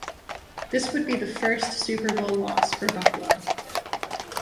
This would be the first Super Bowl loss for Buffalo.